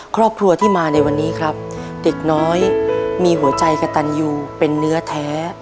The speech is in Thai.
ครอบครัวที่มาในวันนี้ครับเด็กน้อยมีหัวใจกระตันยูเป็นเนื้อแท้